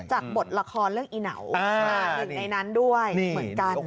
บทละครเรื่องอีเหนาหนึ่งในนั้นด้วยเหมือนกัน